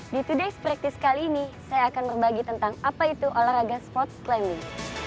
di today's practice kali ini saya akan berbagi tentang apa itu olahraga sports climbing